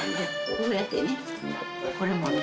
こうやってね、これもね。